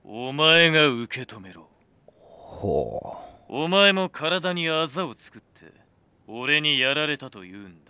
「お前も体にあざを作って俺にやられたと言うんだ」。